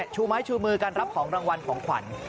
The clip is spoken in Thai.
ชูไม้ชูมือกันรับของรางวัลของขวัญ